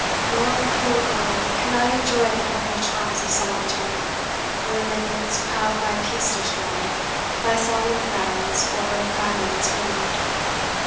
"Nor, cruel Earl! can I enjoy The humble charms of solitude; Your minions proud my peace destroy, By sullen frowns or pratings rude.